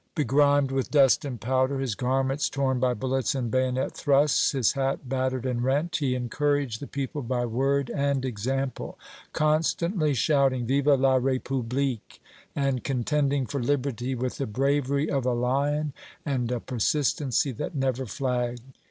Begrimed with dust and powder, his garments torn by bullets and bayonet thrusts, his hat battered and rent, he encouraged the people by word and example, constantly shouting "Vive la République," and contending for liberty with the bravery of a lion and a persistency that never flagged.